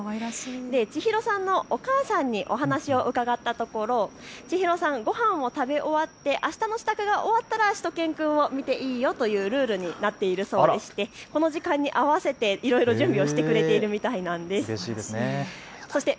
千紘さんのお母さんにお話を伺ったところ千紘さん、ごはんを食べ終わってあしたの支度が終わったらしゅと犬くんを見ていいよというルールになっているそうでして、この時間に合わせていろいろ準備をしてくれているみたいなんです。